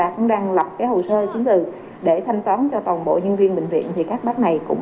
cũng đang lập hồ sơ chứng từ để thanh toán cho toàn bộ nhân viên bệnh viện thì các bác này cũng